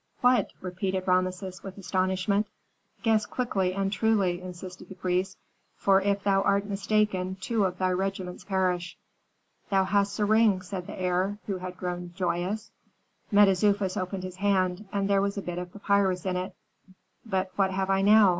"What?" repeated Rameses, with astonishment. "Guess quickly and truly," insisted the priest, "for if thou art mistaken two of thy regiments perish." "Thou hast a ring," said the heir, who had grown joyous. Mentezufis opened his hand; there was a bit of papyrus in it. "But what have I now?"